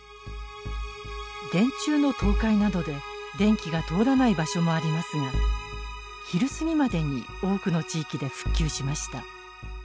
電柱の倒壊などで電気が通らない場所もありますが昼過ぎまでに多くの地域で復旧しました。